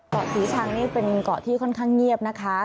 ศรีชังนี่เป็นเกาะที่ค่อนข้างเงียบนะคะ